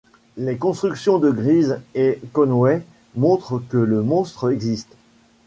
Les constructions de Griess et Conway montrent que le Monstre existe.